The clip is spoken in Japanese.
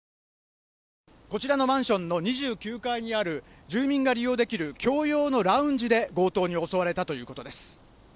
こちらのマンションの２９階にある住民が利用できる共用のラウンジで強盗に襲われたということです。